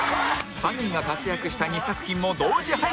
３人が活躍した２作品も同時配信